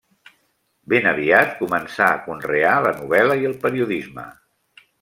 Ben aviat començà a conrear la novel·la i el periodisme.